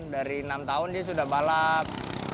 dari enam tahun dia sudah balap